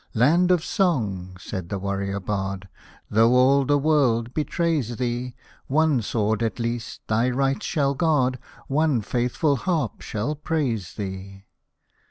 " Land of song !" said the warrior bard, *' Tho' all the world betrays thee, 07ie sword, at least, thy rights shall guard, 07ie faithful harp shall praise thee